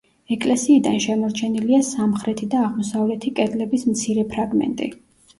ეკლესიიდან შემორჩენილია სამხრეთი და აღმოსავლეთი კედლების მცირე ფრაგმენტი.